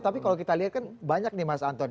tapi kalau kita lihat kan banyak nih mas anton